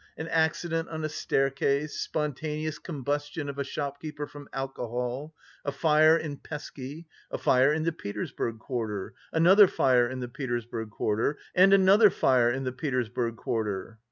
An accident on a staircase, spontaneous combustion of a shopkeeper from alcohol, a fire in Peski... a fire in the Petersburg quarter... another fire in the Petersburg quarter... and another fire in the Petersburg quarter....